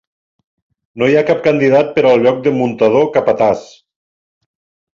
No hi ha cap candidat per al lloc de muntador-capatàs.